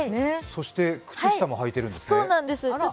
そして靴下も履いてるんですね。